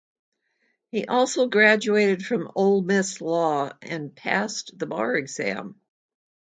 He also graduated from Ole Miss Law and passed the bar exam.